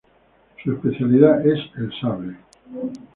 Su especialidad es el sable.